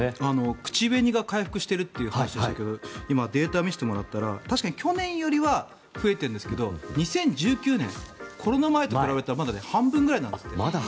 口紅が回復しているということでしたが今、データを見せてもらったら確かに去年よりは増えているんですけど２０１９年、コロナ前と比べたらまだ半分ぐらいなんですって。